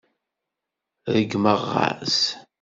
Ṛeggmeɣ-as.